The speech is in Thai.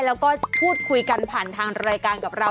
แล้วก็พูดคุยกันผ่านทางรายการกับเรา